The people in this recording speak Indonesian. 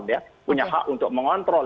dia punya hak untuk mengontrol